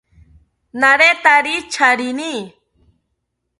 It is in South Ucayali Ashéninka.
Naretari charini